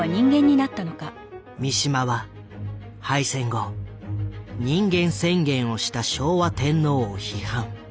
三島は敗戦後「人間宣言」をした昭和天皇を批判。